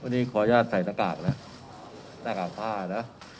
วันนี้ขออนุญาตใส่หน้ากากนะหน้ากากผ้านะ